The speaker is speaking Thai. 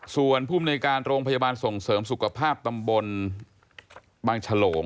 ส่วนภูมิในการโรงพยาบาลส่งเสริมสุขภาพตำบลบางฉลง